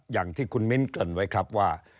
อย่างที่คุณมิ้นเกริ่นไว้ครับว่า